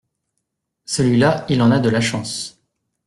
Celui-là il en a de la chance.